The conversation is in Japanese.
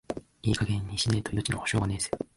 いい加減にしねえと、命の保証はねえぜ。